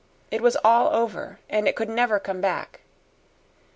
It was all over, and it could never come back.